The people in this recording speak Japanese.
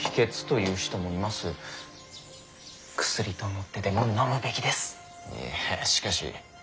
いやしかし。